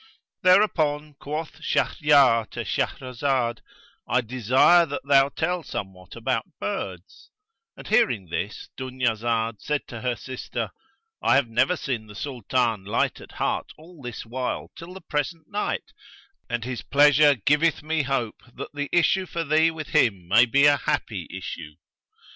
Thereupon quoth Shahryar to Shahrazad, "I desire that thou tell me somewhat about birds;" and hearing this Dunyazad said to her sister, "I have never seen the Sultan light at heart all this while till the present night, and his pleasure garreth me hope that the issue for thee with him may be a happy issue."